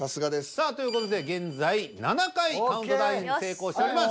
さあという事で現在７回カウントダウンに成功しております。